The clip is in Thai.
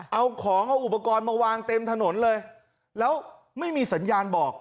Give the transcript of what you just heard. เอาของเอาอุปกรณ์มาวางเต็มถนนเลยแล้วไม่มีสัญญาณบอก